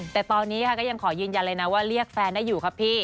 แต่ตอนนี้ค่ะก็ยังขอยืนยันเลยนะว่าเรียกแฟนได้อยู่ครับพี่